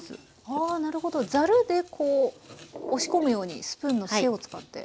はあなるほどざるでこう押し込むようにスプーンの背を使って。